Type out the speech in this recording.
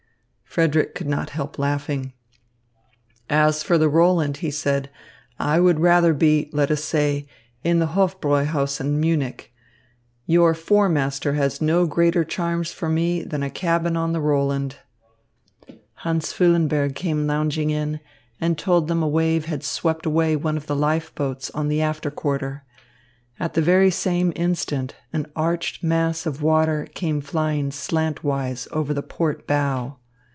Frederick could not help laughing. "As for the Roland," he said, "I would rather be, let us say, in the Hofbräuhaus in Munich. Your four master has no greater charms for me than a cabin on the Roland." Hans Füllenberg came lounging in and told them a wave had swept away one of the life boats on the after quarter. At the very same instant an arched mass of water came flying slantwise over the port bow.